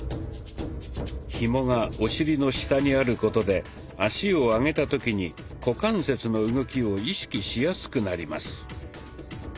ひもがお尻の下にあることで足を上げた時に股関節の動きを意識しやすくなります。